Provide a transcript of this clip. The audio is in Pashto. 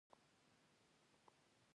د غاښونو ډاکټران پیسې ګټي؟